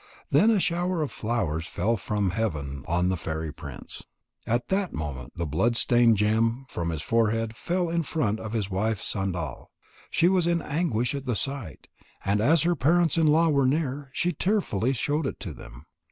Then a shower of flowers fell from heaven on the fairy prince. At that moment the blood stained gem from his forehead fell in front of his wife Sandal. She was in anguish at the sight, and as her parents in law were near, she tearfully showed it to them.